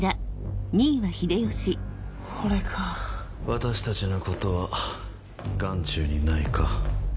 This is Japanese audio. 私たちのことは眼中にないか。